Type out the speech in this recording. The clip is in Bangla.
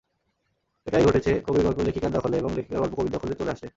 এটাই ঘটেছে—কবির গল্প লেখিকার দখলে এবং লেখিকার গল্প কবির দখলে চলে আসে।